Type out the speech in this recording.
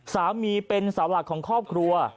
สามีเป็นสาวหลักของครอบครัว